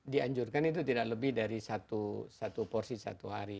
dianjurkan itu tidak lebih dari satu porsi satu hari